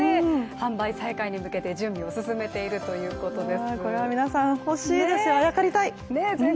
販売再開に向けて準備を進めているということです。